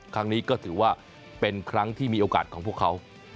ครั้งนี้ก็ถือว่าเป็นครั้งที่มีโอกาสของพวกเขา